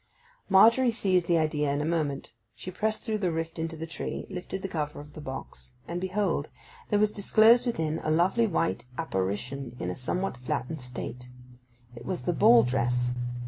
Margery seized the idea in a moment. She pressed through the rift into the tree, lifted the cover of the box, and, behold, there was disclosed within a lovely white apparition in a somewhat flattened state. It was the ball dress.